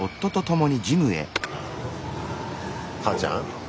母ちゃん？